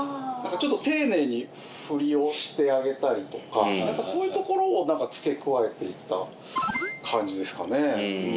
ちょっと丁寧に振りをしてあげたりとかそういうところを付け加えて行った感じですかね。